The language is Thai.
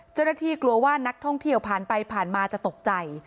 เจ้าหน้าที่กลัวว่านักท่องเที่ยวผ่านไปผ่านมาจะตกใจ